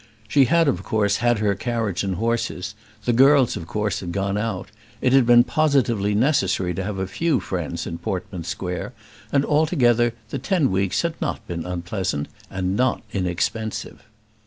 She had of course had her carriage and horses; the girls of course had gone out; it had been positively necessary to have a few friends in Portman Square; and, altogether, the ten weeks had not been unpleasant, and not inexpensive.